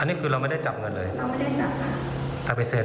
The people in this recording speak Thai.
อันนี้คือเราไม่ได้จับเงินเลยเราไม่ได้จับเลยถ้าไปเซ็น